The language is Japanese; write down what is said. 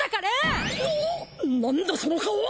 何だその顔は！